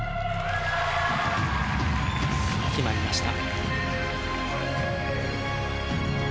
決まりました。